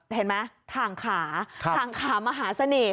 เห็นไหมทางขามหาเสน่ห์